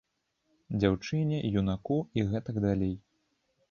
Дзяўчыне, юнаку і гэтак далей.